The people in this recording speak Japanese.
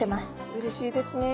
うれしいですね。